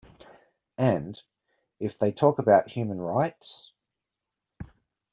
And, if they talk about human rights?